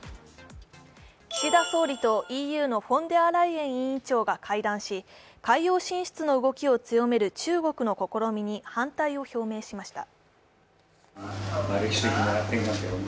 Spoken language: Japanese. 岸田総理とＥＵのフォンデアライエン委員長が会談し海洋進出の動きを強める中国の試みに反対を表明しました。